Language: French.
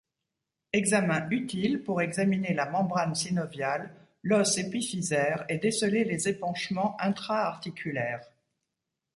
Examen utile pour examiner la membrane synoviale, l'os épiphysaire et déceler des épanchements intra-articulaires.